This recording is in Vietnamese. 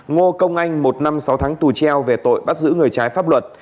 ngô công anh một năm sáu tháng tù treo về tội bắt giữ người trái pháp luật